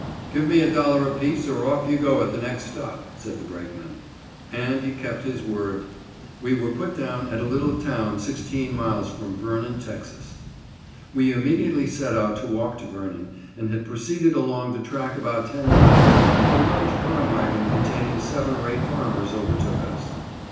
"Give me a dollar apiece, or off you go at the next stop," said the brakeman, and he kept his word. We were put down at a little town sixteen miles from Vernon, Texas. We immediately set out to walk to Vernon, and had proceeded along the track about ten miles when a large farm wagon containing seven or eight farmers overtook us.